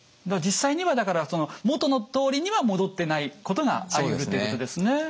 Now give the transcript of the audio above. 実際にはだから元のとおりには戻ってないことがありうるということですね。